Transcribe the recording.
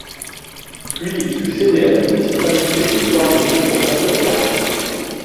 Puis il fut cédé à la municipalité de Douarnenez pour sa sauvegarde.